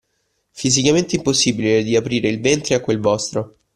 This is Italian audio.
Fisicamente impossibile di aprire il ventre a quel vostro.